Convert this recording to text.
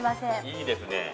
◆いいですね。